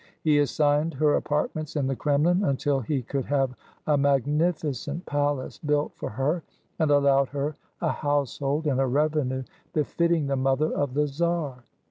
He as signed her apartments in the Kremlin until he could have a magnificent palace built for her, and allowed her a household and a revenue befitting the mother of the czar.